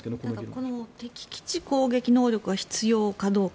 この敵基地攻撃能力は必要かどうか。